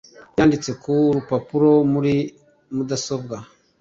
yanditse ku rupapuro muri mudasobwa.